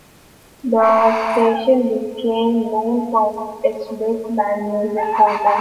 The station became known for its Big Band music format.